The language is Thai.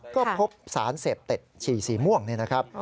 ก็พบสารเสพเต็ดชีสีม่วงเลยนะครับ